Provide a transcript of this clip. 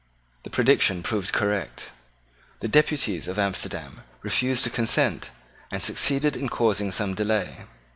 The prediction proved correct. The deputies of Amsterdam refused to consent, and succeeded in causing some delay.